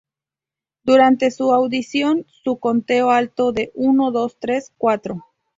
Durante su audición, su conteo alto de "Uno, dos, tres, cuatro!